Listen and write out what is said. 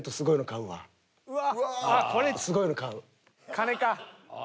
金か。